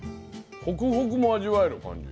ホクホクも味わえる感じ。